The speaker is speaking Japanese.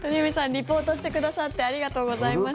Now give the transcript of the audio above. リポートしてくださってありがとうございました。